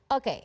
oke ini dia